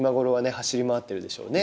走り回ってるでしょうね